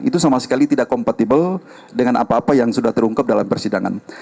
itu sama sekali tidak kompatibel dengan apa apa yang sudah terungkap dalam persidangan